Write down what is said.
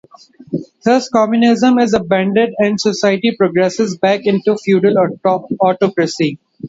Thus, communism is abandoned and society progresses back into feudal autocracy.